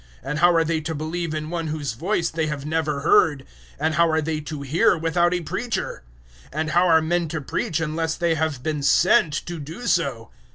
And how are they to believe in One whose voice they have never heard? And how are they to hear without a preacher? 010:015 And how are men to preach unless they have been sent to do so?